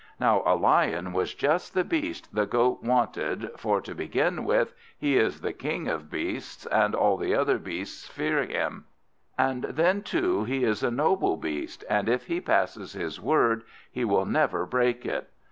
Now a Lion was just the beast the Goat wanted, for to begin with, he is the King of Beasts, and all the other beasts fear him; and then, too, he is a noble beast, and if he passes his word he will never break it.